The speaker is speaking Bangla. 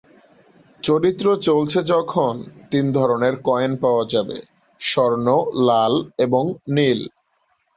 চরিত্র চলছে যখন তিন ধরনের কয়েন পাওয়া যাবে: স্বর্ণ, লাল, এবং নীল।